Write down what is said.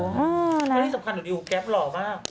นี่สำคัญหรือดีแก๊ปหล่อมาก